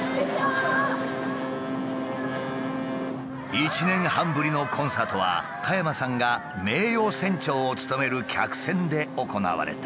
１年半ぶりのコンサートは加山さんが名誉船長を務める客船で行われた。